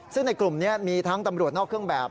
ซึ่งในกลุ่มนี้มีทั้งตำรวจนอกเครื่องแบบ